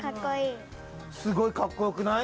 すごいかっこよくない？